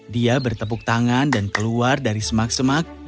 dia bertepuk tangan dan keluar dari semak semak